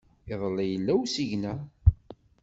Iḍelli yella usigna.